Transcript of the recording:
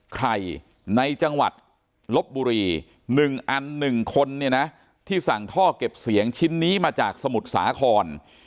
ในจังหวัดลบบุรี๑อัน๑คนเนี่ยนะที่สั่งท่อเก็บเสียงชิ้นนี้มาจากสมุทรสาคร